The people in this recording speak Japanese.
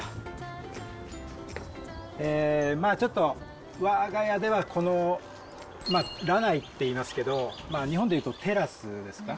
ちょっと、わが家ではこのラナイっていいますけど、日本でいうとテラスですか。